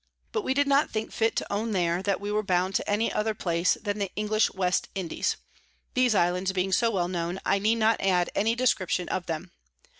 But we did not think fit to own there, that we were bound to any other place than the English West Indies. These Islands being so well known, I need not add any Description of them.